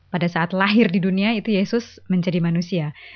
pada saat lahir di dunia itu yesus menjadi manusia